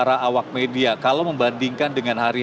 jen lotta jeansour karena penurunan model jg juga itu